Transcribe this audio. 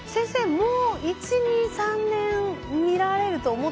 もう１２３年見られると思ってていいですか？